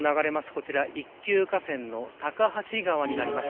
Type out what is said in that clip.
こちら一級河川の高梁川になります。